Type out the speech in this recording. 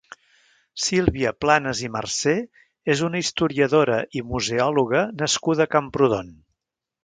Sílvia Planas i Marcé és una historiadora i museòloga nascuda a Camprodon.